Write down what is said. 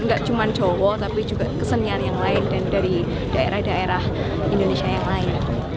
nggak cuma jowo tapi juga kesenian yang lain dan dari daerah daerah indonesia yang lain